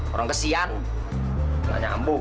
orang kesian gak nyambung